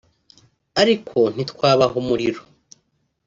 ariko ntitwabaha umuriro